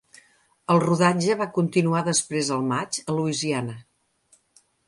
El rodatge va continuar després al maig a Louisiana.